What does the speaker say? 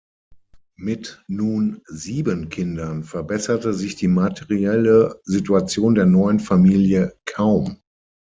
Mit nun sieben Kindern verbesserte sich die materielle Situation der neuen Familie kaum.